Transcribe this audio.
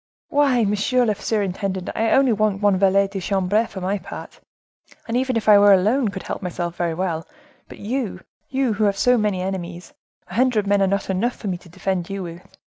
"Why, monsieur the superintendent, I only want one valet de chambre, for my part, and even if I were alone, could help myself very well; but you, you who have so many enemies—a hundred men are not enough for me to defend you with.